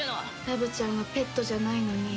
ラブちゃんはペットじゃないのに。